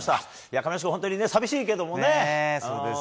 亀梨君、本当に寂しいけれどもね。